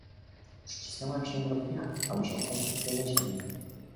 "Przycisnąłem się do pnia, aby się ukryć w jego cieniu."